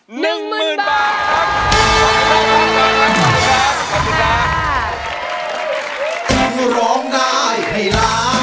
๑หมื่นบาท